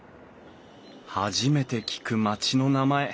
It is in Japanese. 初めて聞く町の名前。